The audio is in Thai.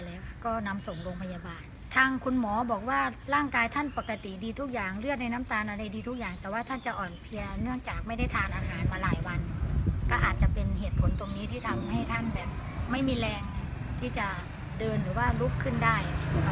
แล้วก็นำส่งโรงพยาบาลทางคุณหมอบอกว่าร่างกายท่านปกติดีทุกอย่างเลือดในน้ำตาลอะไรดีทุกอย่างแต่ว่าท่านจะอ่อนเพลียเนื่องจากไม่ได้ทานอาหารมาหลายวันก็อาจจะเป็นเหตุผลตรงนี้ที่ทำให้ท่านแบบไม่มีแรงที่จะเดินหรือว่าลุกขึ้นได้